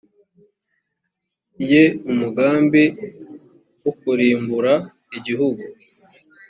ye umugambi wo kurimbura igihugu